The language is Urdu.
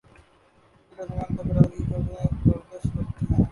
کے درمیان تکرار کی خبریں گردش کرتی ہیں